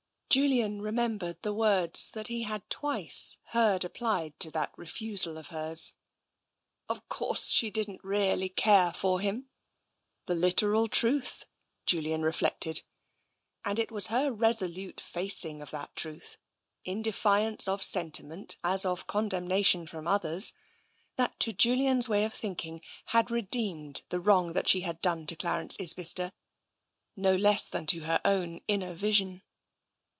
Julian remembered the words that he had twice heard applied to that refusal of hers. "Of course she didn't really care for him." The literal truth, Julian reflected. And it was her resolute facing of that truth, in defiance of sentiment as of condemnation from others, that, to Julian's way of thinking, had redeemed the wrong that she had done to Clarence Isbister no less than to her own inner vision.